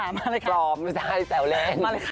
ปลอมไม่ต้องให้แสวเล่น